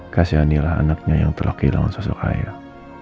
kasihanilah anaknya yang telah kehilangan sosok ayah